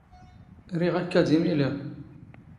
ⵔⵉⵖ ⴰⴷ ⴽⴰ ⴷⵉⵎ ⵉⵍⵉⵖ.